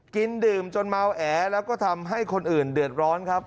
ดื่มจนเมาแอแล้วก็ทำให้คนอื่นเดือดร้อนครับ